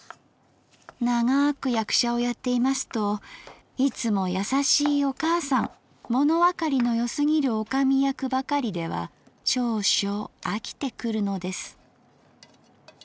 ながく役者をやっていますといつもやさしいお母さんものわかりのよすぎる女将役ばかりでは少々あきてくるのです」